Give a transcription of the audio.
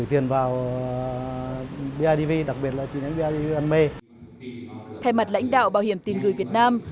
thay mặt lãnh đạo bảo hiểm tiền gửi việt nam